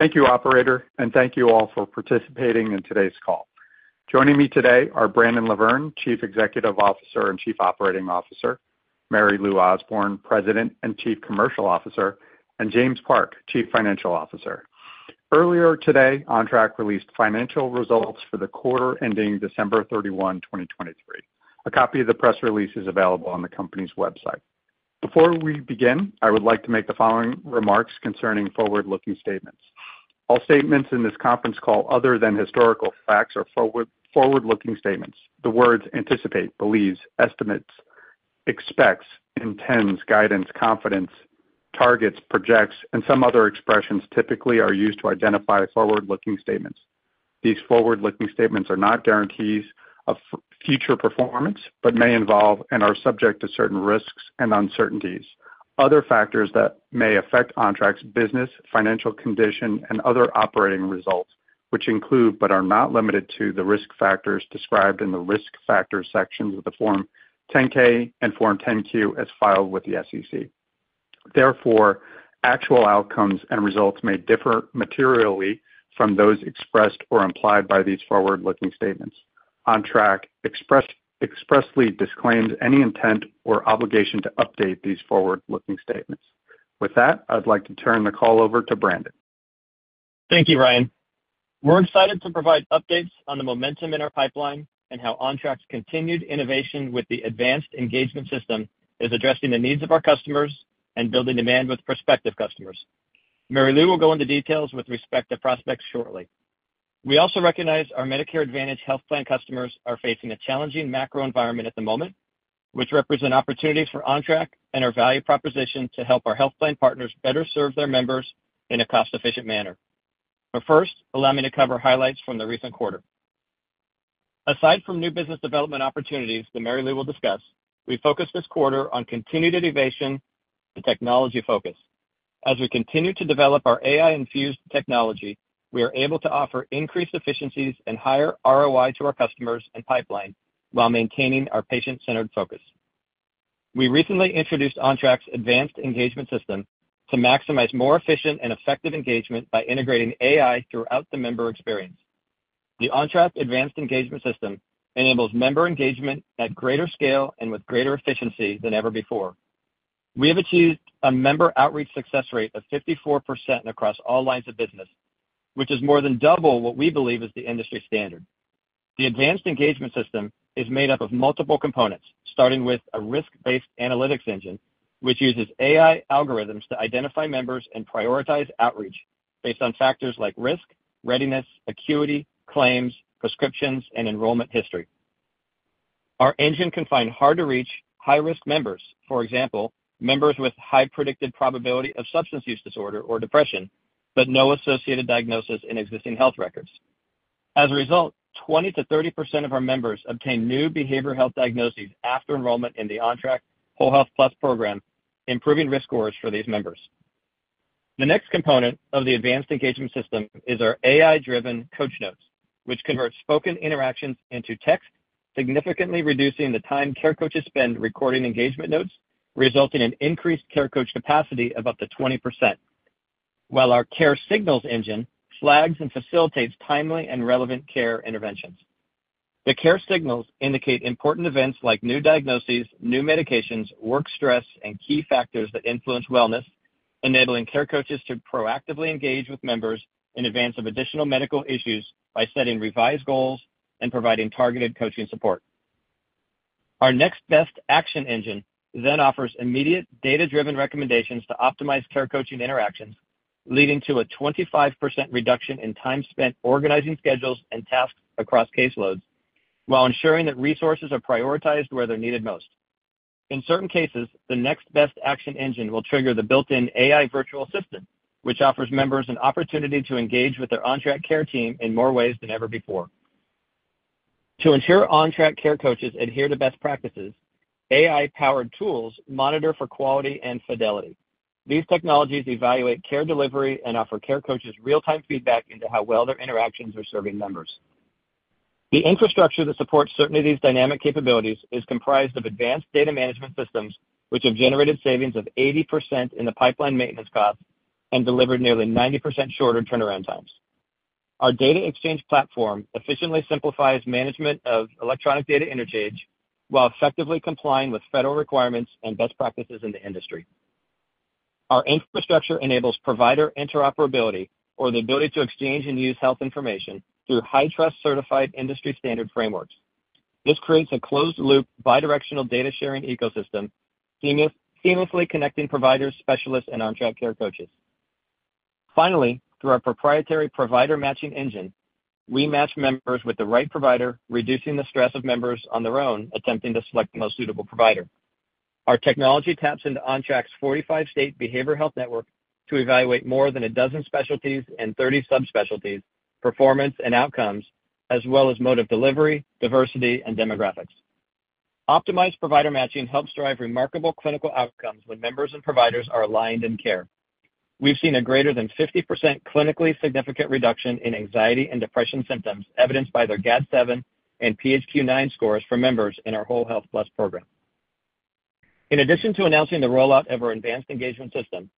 Thank you, operator, and thank you all for participating in today's call. Joining me today are Brandon LaVerne, Chief Executive Officer and Chief Operating Officer; Mary Lou Osborne, President and Chief Commercial Officer; and James Park, Chief Financial Officer. Earlier today, Ontrak released financial results for the quarter ending December 31, 2023. A copy of the press release is available on the company's website. Before we begin, I would like to make the following remarks concerning forward-looking statements. All statements in this conference call other than historical facts are forward-looking statements. The words "anticipate," "believes," "estimates," "expects," "intends," "guidance," "confidence," "targets," "projects," and some other expressions typically are used to identify forward-looking statements. These forward-looking statements are not guarantees of future performance but may involve and are subject to certain risks and uncertainties, other factors that may affect Ontrak's business, financial condition, and other operating results, which include but are not limited to the risk factors described in the risk factors sections of the Form 10-K and Form 10-Q as filed with the SEC. Therefore, actual outcomes and results may differ materially from those expressed or implied by these forward-looking statements. Ontrak expressly disclaims any intent or obligation to update these forward-looking statements. With that, I'd like to turn the call over to Brandon. Thank you, Ryan. We're excited to provide updates on the momentum in our pipeline and how Ontrak's continued innovation with the advanced engagement system is addressing the needs of our customers and building demand with prospective customers. Mary Lou will go into details with respect to prospects shortly. We also recognize our Medicare Advantage health plan customers are facing a challenging macro environment at the moment, which represent opportunities for Ontrak and our value proposition to help our health plan partners better serve their members in a cost-efficient manner. But first, allow me to cover highlights from the recent quarter. Aside from new business development opportunities that Mary Lou will discuss, we focus this quarter on continued innovation with a technology focus. As we continue to develop our AI-infused technology, we are able to offer increased efficiencies and higher ROI to our customers and pipeline while maintaining our patient-centered focus. We recently introduced Ontrak's Advanced Engagement System to maximize more efficient and effective engagement by integrating AI throughout the member experience. The Ontrak Advanced Engagement System enables member engagement at greater scale and with greater efficiency than ever before. We have achieved a member outreach success rate of 54% across all lines of business, which is more than double what we believe is the industry standard. The Advanced Engagement System is made up of multiple components, starting with a Risk-Based Analytics Engine, which uses AI algorithms to identify members and prioritize outreach based on factors like risk, readiness, acuity, claims, prescriptions, and enrollment history. Our engine can find hard-to-reach, high-risk members, for example, members with high predicted probability of substance use disorder or depression but no associated diagnosis in existing health records. As a result, 20%-30% of our members obtain new behavioral health diagnoses after enrollment in the Ontrak Whole Health Plus program, improving risk scores for these members. The next component of the Advanced Engagement System is our AI-Driven Coach Notes, which convert spoken interactions into text, significantly reducing the time care coaches spend recording engagement notes, resulting in increased care coach capacity of up to 20%, while our Care Signals Engine flags and facilitates timely and relevant care interventions. The care signals indicate important events like new diagnoses, new medications, work stress, and key factors that influence wellness, enabling care coaches to proactively engage with members in advance of additional medical issues by setting revised goals and providing targeted coaching support. Our Next Best Action Engine then offers immediate data-driven recommendations to optimize care coaching interactions, leading to a 25% reduction in time spent organizing schedules and tasks across caseloads while ensuring that resources are prioritized where they're needed most. In certain cases, the Next Best Action Engine will trigger the built-in AI virtual assistant, which offers members an opportunity to engage with their Ontrak care team in more ways than ever before. To ensure Ontrak care coaches adhere to best practices, AI-powered tools monitor for quality and fidelity. These technologies evaluate care delivery and offer care coaches real-time feedback into how well their interactions are serving members. The infrastructure that supports certain of these dynamic capabilities is comprised of advanced data management systems, which have generated savings of 80% in the pipeline maintenance costs and delivered nearly 90% shorter turnaround times. Our data exchange platform efficiently simplifies management of electronic data interchange while effectively complying with federal requirements and best practices in the industry. Our infrastructure enables provider interoperability, or the ability to exchange and use health information through HITRUST certified industry-standard frameworks. This creates a closed-loop bidirectional data-sharing ecosystem, seamlessly connecting providers, specialists, and Ontrak care coaches. Finally, through our proprietary provider matching engine, we match members with the right provider, reducing the stress of members on their own attempting to select the most suitable provider. Our technology taps into Ontrak's 45-state behavioral health network to evaluate more than a dozen specialties and 30 subspecialties, performance and outcomes, as well as mode of delivery, diversity, and demographics. Optimized provider matching helps drive remarkable clinical outcomes when members and providers are aligned in care. We've seen a greater than 50% clinically significant reduction in anxiety and depression symptoms, evidenced by their GAD-7 and PHQ-9 scores for members in our Whole Health Plus program. In addition to announcing the rollout of our Advanced Engagement System,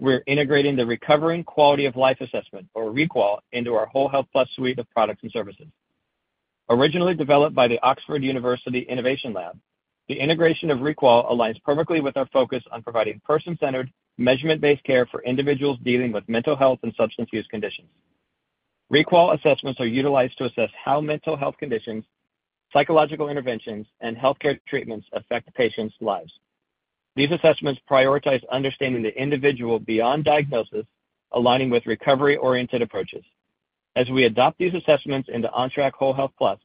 we're integrating the Recovering Quality of Life assessment, or ReQoL, into our Whole Health Plus suite of products and services. Originally developed by the Oxford University Innovation Lab, the integration of ReQoL aligns perfectly with our focus on providing person-centered, measurement-based care for individuals dealing with mental health and substance use conditions. ReQoL assessments are utilized to assess how mental health conditions, psychological interventions, and healthcare treatments affect patients' lives. These assessments prioritize understanding the individual beyond diagnosis, aligning with recovery-oriented approaches. As we adopt these assessments into Ontrak Whole Health Plus,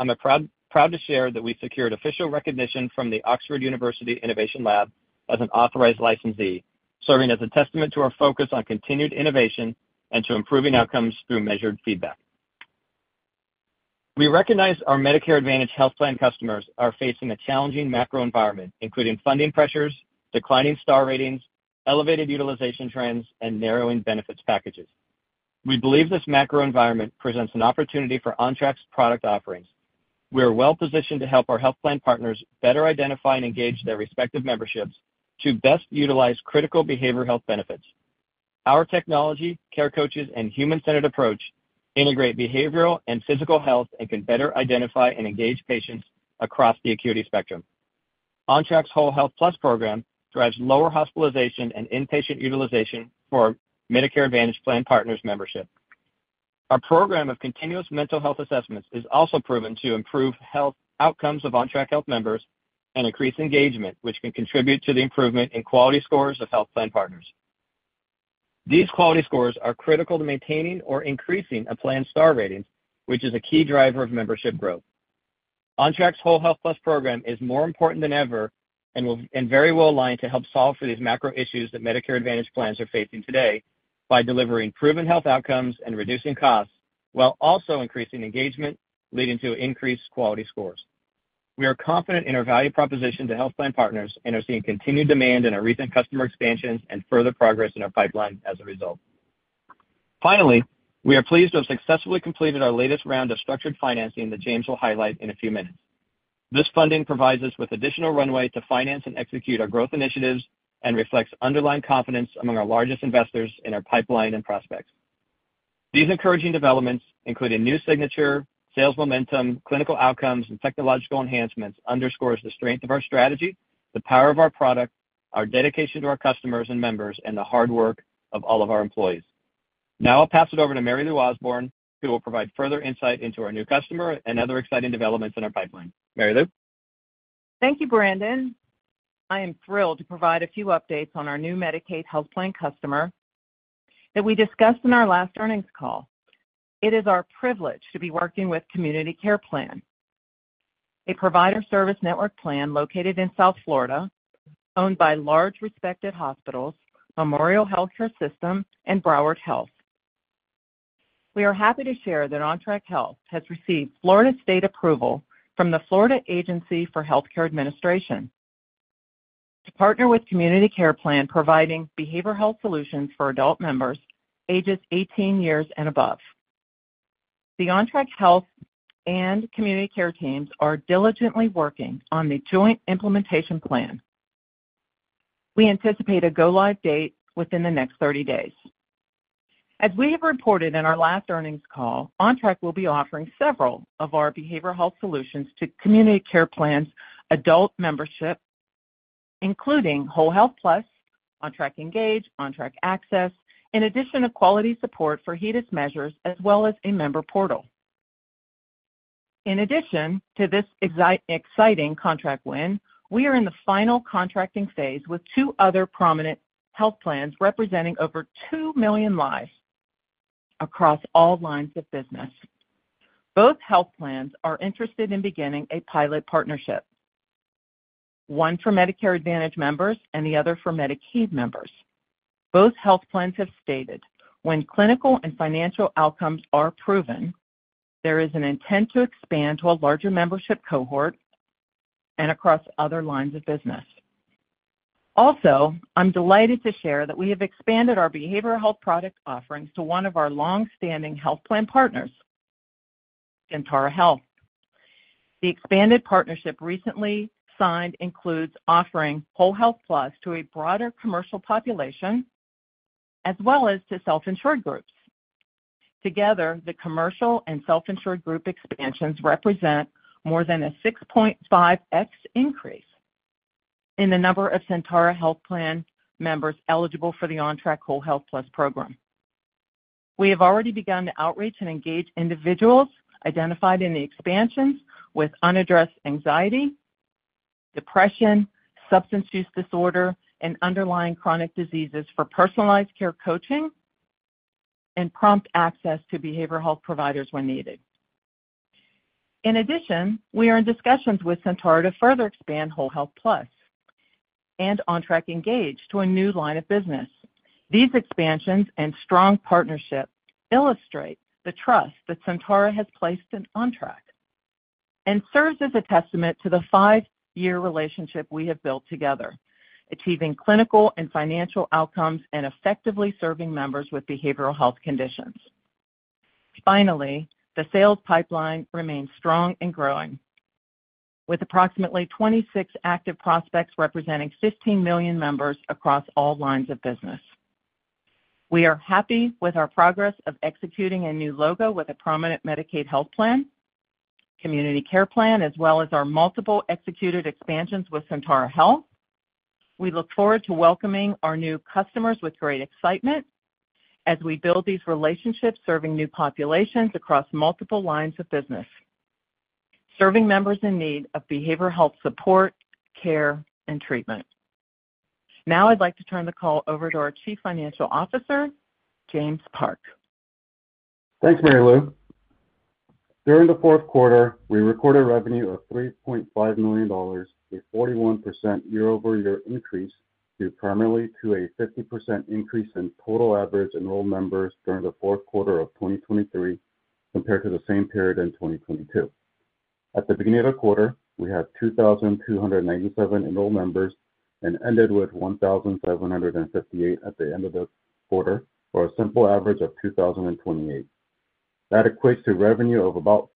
I'm proud to share that we secured official recognition from the Oxford University Innovation Lab as an authorized licensee, serving as a testament to our focus on continued innovation and to improving outcomes through measured feedback. We recognize our Medicare Advantage health plan customers are facing a challenging macro environment, including funding pressures, declining Star Ratings, elevated utilization trends, and narrowing benefits packages. We believe this macro environment presents an opportunity for Ontrak's product offerings. We are well-positioned to help our health plan partners better identify and engage their respective memberships to best utilize critical behavioral health benefits. Our technology, care coaches, and human-centered approach integrate behavioral and physical health and can better identify and engage patients across the acuity spectrum. Ontrak's Whole Health Plus program drives lower hospitalization and inpatient utilization for Medicare Advantage plan partners' membership. Our program of continuous mental health assessments is also proven to improve health outcomes of Ontrak Health members and increase engagement, which can contribute to the improvement in quality scores of health plan partners. These quality scores are critical to maintaining or increasing a plan's star ratings, which is a key driver of membership growth. Ontrak's Whole Health Plus program is more important than ever and very well aligned to help solve for these macro issues that Medicare Advantage plans are facing today by delivering proven health outcomes and reducing costs while also increasing engagement, leading to increased quality scores. We are confident in our value proposition to health plan partners and are seeing continued demand in our recent customer expansions and further progress in our pipeline as a result. Finally, we are pleased to have successfully completed our latest round of structured financing that James will highlight in a few minutes. This funding provides us with additional runway to finance and execute our growth initiatives and reflects underlying confidence among our largest investors in our pipeline and prospects. These encouraging developments, including new signature, sales momentum, clinical outcomes, and technological enhancements, underscore the strength of our strategy, the power of our product, our dedication to our customers and members, and the hard work of all of our employees. Now I'll pass it over to Mary Lou Osborne, who will provide further insight into our new customer and other exciting developments in our pipeline. Mary Lou? Thank you, Brandon. I am thrilled to provide a few updates on our new Medicaid health plan customer that we discussed in our last earnings call. It is our privilege to be working with Community Care Plan, a provider service network plan located in South Florida owned by large respected hospitals, Memorial Healthcare System, and Broward Health. We are happy to share that Ontrak Health has received Florida state approval from the Florida Agency for Healthcare Administration to partner with Community Care Plan providing behavioral health solutions for adult members ages 18 years and above. The Ontrak Health and Community Care teams are diligently working on the joint implementation plan. We anticipate a go-live date within the next 30 days. As we have reported in our last earnings call, Ontrak will be offering several of our behavioral health solutions to Community Care Plan's adult membership, including Whole Health Plus, Ontrak Engage, Ontrak Access, in addition to quality support for HEDIS measures as well as a member portal. In addition to this exciting contract win, we are in the final contracting phase with two other prominent health plans representing over 2 million lives across all lines of business. Both health plans are interested in beginning a pilot partnership, one for Medicare Advantage members and the other for Medicaid members. Both health plans have stated, "When clinical and financial outcomes are proven, there is an intent to expand to a larger membership cohort and across other lines of business." Also, I'm delighted to share that we have expanded our behavioral health product offerings to one of our longstanding health plan partners, Sentara Health. The expanded partnership recently signed includes offering Whole Health Plus to a broader commercial population as well as to self-insured groups. Together, the commercial and self-insured group expansions represent more than a 6.5x increase in the number of Sentara Health Plan members eligible for the Ontrak Whole Health Plus program. We have already begun to outreach and engage individuals identified in the expansions with unaddressed anxiety, depression, substance use disorder, and underlying chronic diseases for personalized care coaching and prompt access to behavioral health providers when needed. In addition, we are in discussions with Sentara Health to further expand Whole Health Plus and Ontrak Engage to a new line of business. These expansions and strong partnership illustrate the trust that Sentara Health has placed in Ontrak and serves as a testament to the five-year relationship we have built together, achieving clinical and financial outcomes and effectively serving members with behavioral health conditions. Finally, the sales pipeline remains strong and growing, with approximately 26 active prospects representing 15 million members across all lines of business. We are happy with our progress of executing a new logo with a prominent Medicaid health plan, Community Care Plan, as well as our multiple executed expansions with Sentara Health. We look forward to welcoming our new customers with great excitement as we build these relationships serving new populations across multiple lines of business, serving members in need of behavioral health support, care, and treatment. Now I'd like to turn the call over to our Chief Financial Officer, James Park. Thanks, Mary Lou. During the Q4, we recorded revenue of $3.5 million, a 41% year-over-year increase primarily to a 50% increase in total average enrolled members during the Q4 of 2023 compared to the same period in 2022. At the beginning of the quarter, we had 2,297 enrolled members and ended with 1,758 at the end of the quarter, or a simple average of 2,028. That equates to revenue of about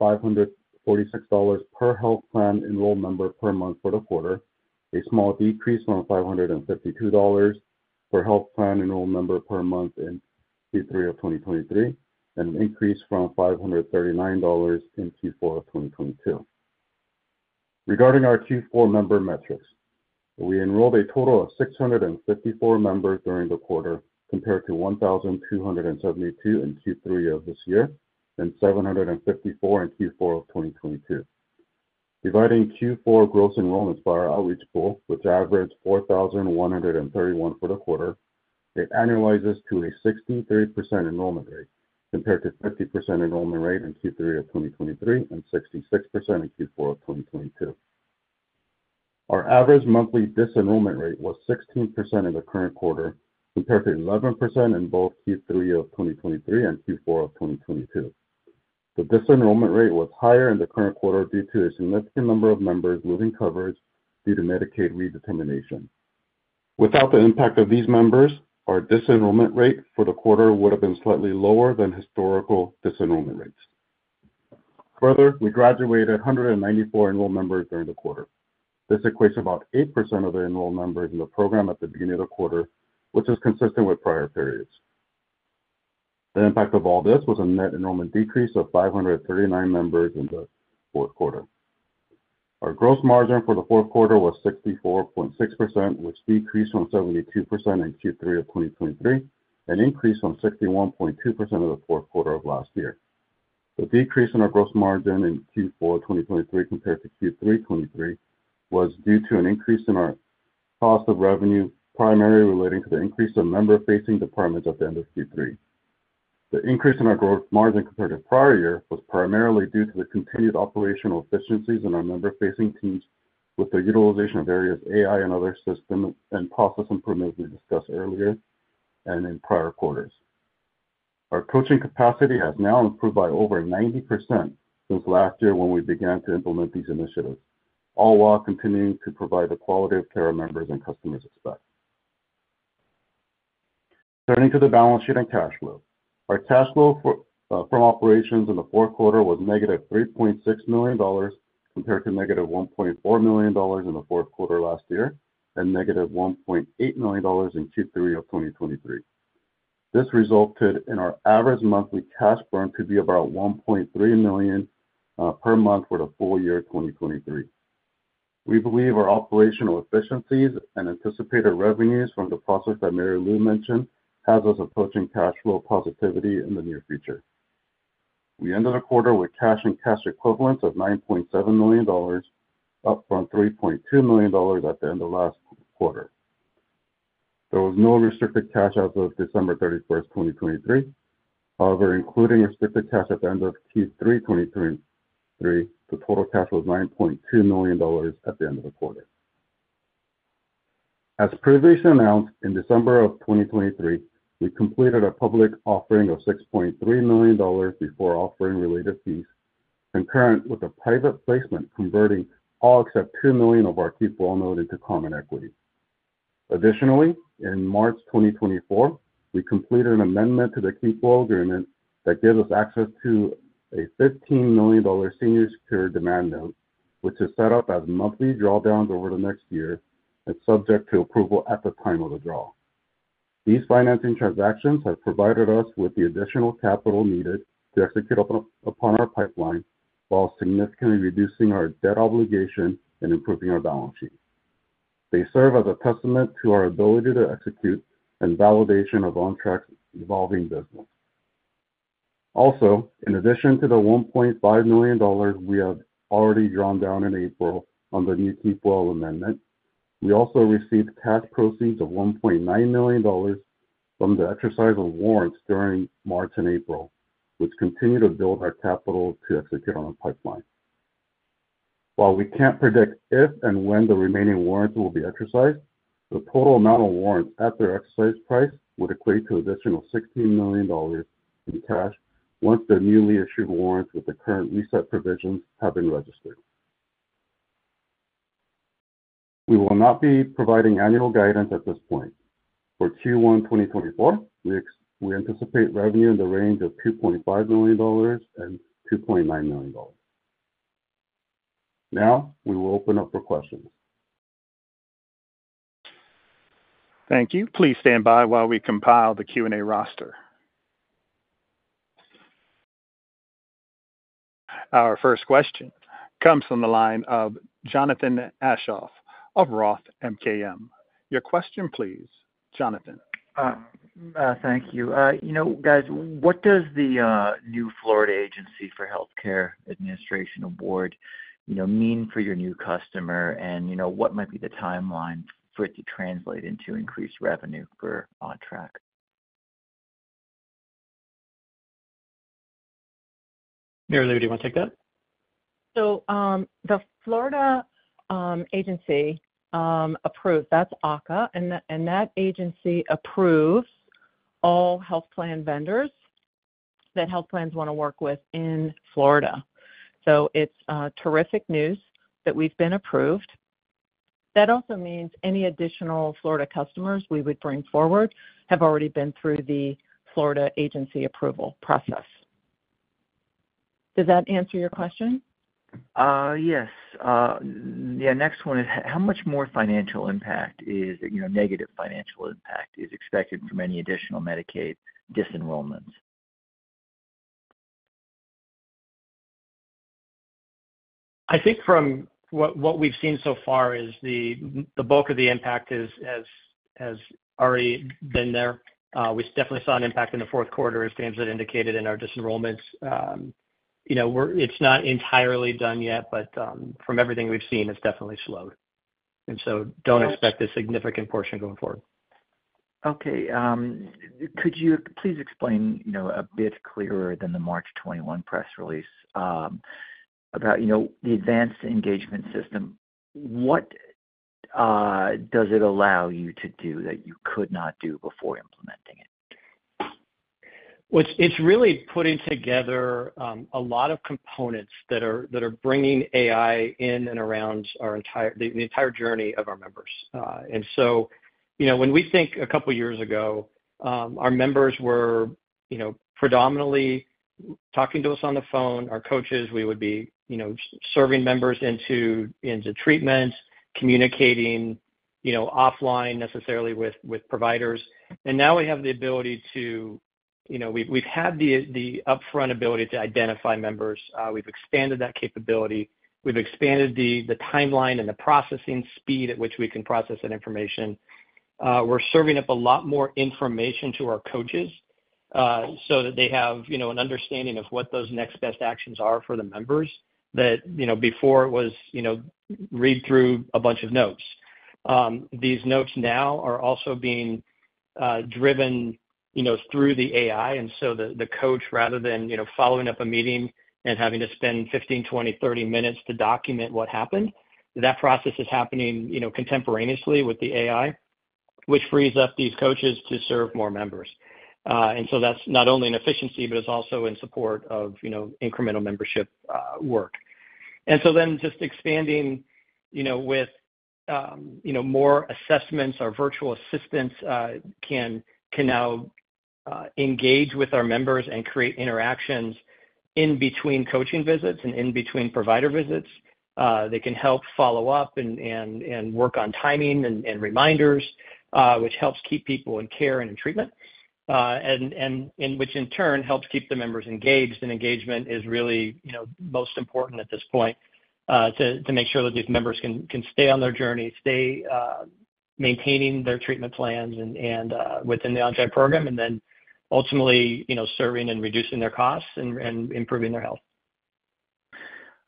$546 per health plan enrolled member per month for the quarter, a small decrease from $552 per health plan enrolled member per month in Q3 of 2023, and an increase from $539 in Q4 of 2022. Regarding our Q4 member metrics, we enrolled a total of 654 members during the quarter compared to 1,272 in Q3 of this year and 754 in Q4 of 2022. Dividing Q4 gross enrollments by our outreach pool, which averaged 4,131 for the quarter, it annualizes to a 63% enrollment rate compared to 50% enrollment rate in Q3 of 2023 and 66% in Q4 of 2022. Our average monthly disenrollment rate was 16% in the current quarter compared to 11% in both Q3 of 2023 and Q4 of 2022. The disenrollment rate was higher in the current quarter due to a significant number of members losing coverage due to Medicaid redetermination. Without the impact of these members, our disenrollment rate for the quarter would have been slightly lower than historical disenrollment rates. Further, we graduated 194 enrolled members during the quarter. This equates to about 8% of the enrolled members in the program at the beginning of the quarter, which is consistent with prior periods. The impact of all this was a net enrollment decrease of 539 members in the Q4. Our gross margin for the Q4 was 64.6%, which decreased from 72% in Q3 of 2023 and increased from 61.2% in the Q4 of last year. The decrease in our gross margin in Q4 of 2023 compared to Q3 2023 was due to an increase in our cost of revenue, primarily relating to the increase of member-facing departments at the end of Q3. The increase in our gross margin compared to prior year was primarily due to the continued operational efficiencies in our member-facing teams with the utilization of various AI and other systems and process improvements we discussed earlier and in prior quarters. Our coaching capacity has now improved by over 90% since last year when we began to implement these initiatives, all while continuing to provide the quality of care our members and customers expect. Turning to the balance sheet and cash flow, our cash flow from operations in the Q4 was -$3.6 million compared to -$1.4 million in the Q4 last year and -$1.8 million in Q3 of 2023. This resulted in our average monthly cash burn to be about $1.3 million per month for the full year 2023. We believe our operational efficiencies and anticipated revenues from the process that Mary Lou mentioned have us approaching cash flow positivity in the near future. We ended the quarter with cash and cash equivalents of $9.7 million, up from $3.2 million at the end of last quarter. There was no restricted cash as of December 31st, 2023. However, including restricted cash at the end of Q3 2023, the total cash was $9.2 million at the end of the quarter. As previously announced, in December of 2023, we completed a public offering of $6.3 million before offering related fees, concurrent with a private placement converting all except 2 million of our Keep Well Note into common equity. Additionally, in March 2024, we completed an amendment to the Keep Well Agreement that gives us access to a $15 million senior secured demand note, which is set up as monthly drawdowns over the next year and subject to approval at the time of the draw. These financing transactions have provided us with the additional capital needed to execute upon our pipeline while significantly reducing our debt obligation and improving our balance sheet. They serve as a testament to our ability to execute and validation of Ontrak's evolving business. Also, in addition to the $1.5 million we have already drawn down in April on the new Keep Well Agreement, we also received cash proceeds of $1.9 million from the exercise of warrants during March and April, which continue to build our capital to execute on our pipeline. While we can't predict if and when the remaining warrants will be exercised, the total amount of warrants at their exercise price would equate to an additional $16 million in cash once the newly issued warrants with the current reset provisions have been registered. We will not be providing annual guidance at this point. For Q1 2024, we anticipate revenue in the range of $2.5 million and $2.9 million. Now we will open up for questions. Thank you. Please stand by while we compile the Q&A roster. Our first question comes from the line of Jonathan Aschoff of Roth MKM. Your question, please, Jonathan. Thank you. Guys, what does the new Florida Agency for Healthcare Administration award mean for your new customer, and what might be the timeline for it to translate into increased revenue for Ontrak? Mary Lou, do you want to take that? So the Florida Agency approves, that's AHCA, and that agency approves all health plan vendors that health plans want to work with in Florida. So it's terrific news that we've been approved. That also means any additional Florida customers we would bring forward have already been through the Florida agency approval process. Does that answer your question? Yes. The next one is, how much more negative financial impact is expected from any additional Medicaid disenrollments? I think from what we've seen so far is the bulk of the impact has already been there. We definitely saw an impact in the Q4, as James had indicated, in our disenrollments. It's not entirely done yet, but from everything we've seen, it's definitely slowed. And so don't expect a significant portion going forward. Okay. Could you please explain a bit clearer than the March 2021 press release about the Advanced Engagement System? What does it allow you to do that you could not do before implementing it? Well, it's really putting together a lot of components that are bringing AI in and around the entire journey of our members. And so when we think a couple of years ago, our members were predominantly talking to us on the phone, our coaches. We would be serving members into treatments, communicating offline necessarily with providers. And now we have the ability to we've had the upfront ability to identify members. We've expanded that capability. We've expanded the timeline and the processing speed at which we can process that information. We're serving up a lot more information to our coaches so that they have an understanding of what those next best actions are for the members. That before it was read through a bunch of notes. These notes now are also being driven through the AI. The coach, rather than following up a meeting and having to spend 15, 20, 30 minutes to document what happened, that process is happening contemporaneously with the AI, which frees up these coaches to serve more members. That's not only an efficiency, but it's also in support of incremental membership work. Then just expanding with more assessments, our virtual assistants can now engage with our members and create interactions in between coaching visits and in between provider visits. They can help follow up and work on timing and reminders, which helps keep people in care and in treatment, and which in turn helps keep the members engaged. Engagement is really most important at this point to make sure that these members can stay on their journey, stay maintaining their treatment plans within the Ontrak program, and then ultimately serving and reducing their costs and improving their health.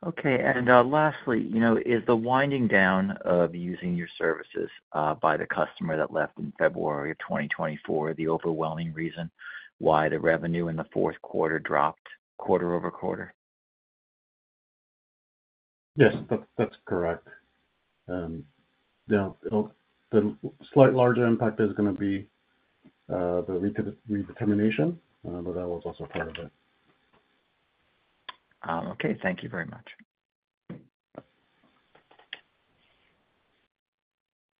Okay. And lastly, is the winding down of using your services by the customer that left in February of 2024 the overwhelming reason why the revenue in the Q4 dropped quarter-over-quarter? Yes, that's correct. The slight larger impact is going to be the redetermination, but that was also part of it. Okay. Thank you very much.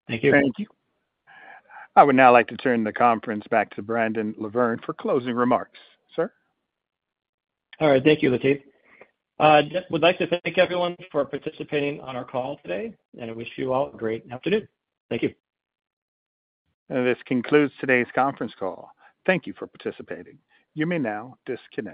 Thank you. Thank you.I would now like to turn the conference back to Brandon LaVerne for closing remarks. Sir? All right. Thank you, Latif. I would like to thank everyone for participating on our call today, and I wish you all a great afternoon. Thank you. This concludes today's conference call. Thank you for participating. You may now disconnect.